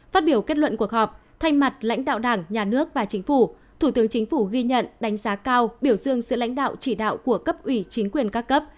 phát biểu kết luận cuộc họp thay mặt lãnh đạo đảng nhà nước và chính phủ thủ tướng chính phủ ghi nhận đánh giá cao biểu dương sự lãnh đạo chỉ đạo của cấp ủy chính quyền các cấp